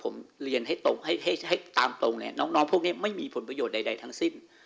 ผมเรียนให้ตรงให้ตามตรงเลยน้องพวกนี้ไม่มีผลประโยชน์ใดทั้งสิ้น